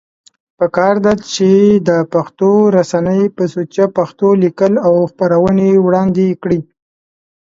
پکار ده چې دا پښتو رسنۍ په سوچه پښتو ليکل او خپرونې وړاندی کړي